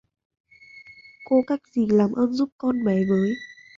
cô cách gì làm ơn giúp con bé với